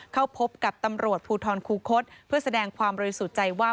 เข้าพบกับตำรวจภูทรคูคศเพื่อแสดงความบริสุทธิ์ใจว่า